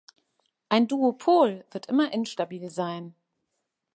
Ein Duopol wird immer instabil sein.